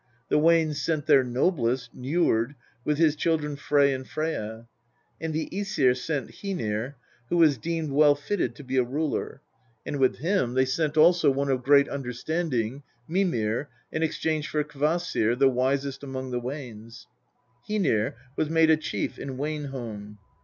The Wanes sent their noblest, Njord, with his children Frey and Freyja ; and the ^Esir sent Hcenir, who was deemed well fitted to be a ruler, and with him they sent also one of great understanding, Mirriir, in exchange for Kvasir, the wisest among the Wanes. Hcenir was made a chief in Wane home.